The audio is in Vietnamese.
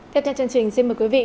tiếp theo chương trình xin mời quý vị